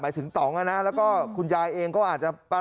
หมายถึงตองนะแล้วก็คุณยายเองก็อาจจะ